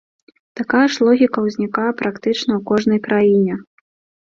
Тая ж логіка ўзнікае практычна ў кожнай краіне.